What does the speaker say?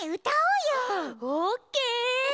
オッケー！